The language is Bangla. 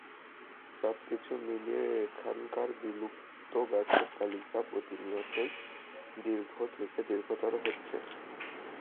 সবকিছু মিলিয়ে এখানকার বিলুপ্ত গাছের তালিকা প্রতিনিয়তই দীর্ঘ থেকে দীর্ঘতর হচ্ছে।